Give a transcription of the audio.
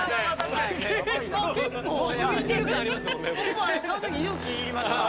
僕もあれ買うとき勇気いりました。